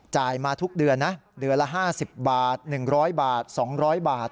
มาทุกเดือนนะเดือนละ๕๐บาท๑๐๐บาท๒๐๐บาท